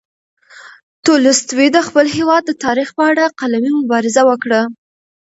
تولستوی د خپل هېواد د تاریخ په اړه قلمي مبارزه وکړه.